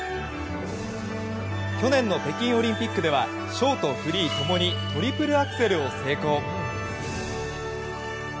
去年の北京オリンピックではショート、フリー共にトリプルアクセルを成功！